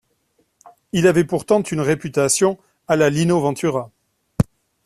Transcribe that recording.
Il avait pourtant une réputation à la Lino Ventura